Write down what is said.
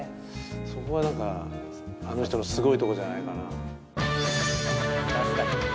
そこは何かあの人のすごいとこじゃないかな。